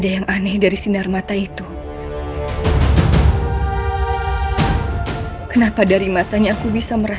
jangan lagi membuat onar di sini